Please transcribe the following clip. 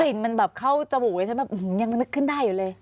ลิ่นมันแบบเข้าจมูกเลยฉันแบบยังนึกขึ้นได้อยู่เลย